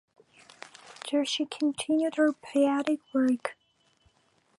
There she continued her poetic work.